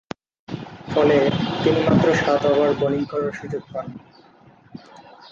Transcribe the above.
ফলে, তিনি মাত্র সাত ওভার বোলিং করার সুযোগ পান।